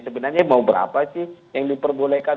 sebenarnya mau berapa sih yang diperbolehkan